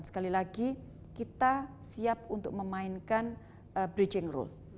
sekali lagi kita siap untuk memainkan bridging role